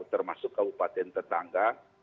termasuk kabupaten tetangga